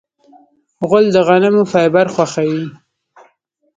غول د غنمو فایبر خوښوي.